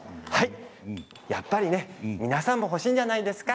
やっぱりね皆さんも欲しいじゃないですか。